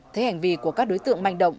thế hành vi của các đối tượng manh động